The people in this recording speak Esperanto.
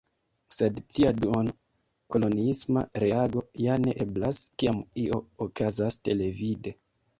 Sed tia duon-koloniisma reago ja ne eblas, kiam io okazas televide.